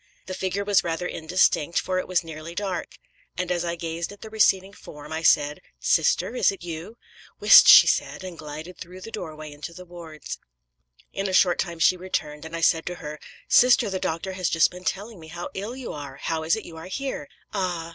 The figure was rather indistinct, for it was nearly dark; and as I gazed at the receding form, I said, 'Sister, is it you?' 'Whist!' she said, and glided through the doorway into the wards. In a short time she returned, and I said to her, 'Sister, the doctor has just been telling me how ill you are how is it you are here?' 'Ah!'